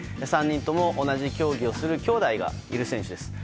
３人とも同じ競技をするきょうだいがいる選手。